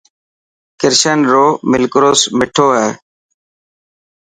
ڪرشن رو ملڪروس مٺو هي.